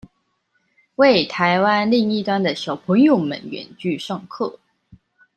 為臺灣另一端的小朋友們遠距上課